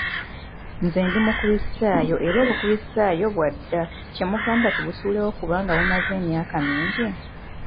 Nze ndi mukulisitaayo era obukulisitaayo bwadda naye kye mugamba tubusuulewo kubanga bumaze emyaka mingi?